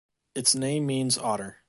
Its name means "otter".